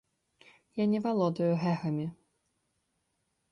Я не валодаю гэгамі.